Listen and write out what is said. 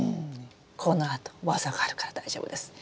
このあと技があるから大丈夫です。